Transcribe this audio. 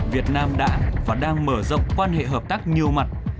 việt nam đã và đang mở rộng quan hệ hợp tác nhiều mặt